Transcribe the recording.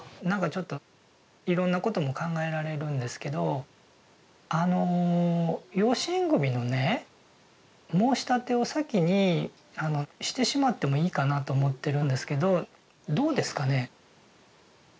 なんかちょっといろんなことも考えられるんですけどあの養子縁組のね申立を先にしてしまってもいいかなと思ってるんですけどどうですかね？